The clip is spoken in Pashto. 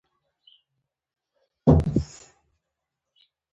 زرغون هلال د اوسني اسرایل له سوېل څخه پیلېږي